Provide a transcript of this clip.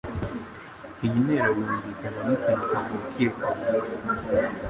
Iyi nteruro yumvikana nkikintu kavukire kavuga?